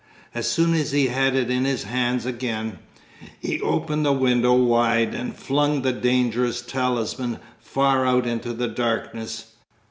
As soon as he had it in his hands again, he opened the window wide and flung the dangerous talisman far out into the darkness.